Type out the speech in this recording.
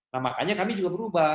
nah makanya kami juga berubah